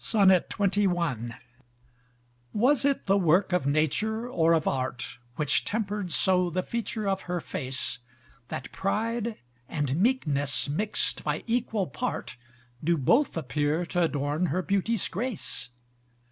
XXI Was it the work of nature or of art, Which tempered so the feature of her face, That pride and meekness mixed by equal part, Do both appear t'adorn her beauty's grace?